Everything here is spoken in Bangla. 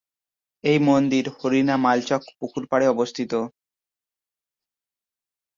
এই মন্দির হরিণা মালচক্ পুকুর পাড়ে অবস্থিত।